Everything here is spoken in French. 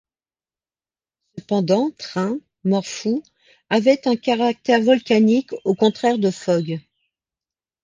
Cependant Train, mort fou, avait un caractère volcanique, au contraire de Fogg.